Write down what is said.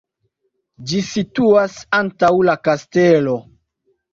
Ĝi situas antaŭ la kastelo.